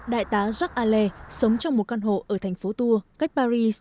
đại tá jacques allais sống trong một căn hộ ở thành phố tours cách paris